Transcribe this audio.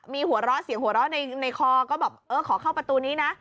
มีหัวเราะเสียงหัวเราะในคอก็แบบเออขอเข้าประตูนี้นะ